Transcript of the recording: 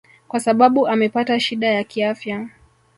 kwa sababu amepata shida ya kiafya